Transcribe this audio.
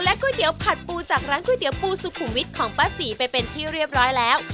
ก๋วยเตี๋ยวผัดปูจากร้านก๋วยเตี๋ปูสุขุมวิทย์ของป้าศรีไปเป็นที่เรียบร้อยแล้ว